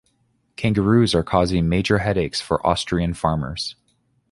Kangaroos are causing major headaches for Austrian farmers.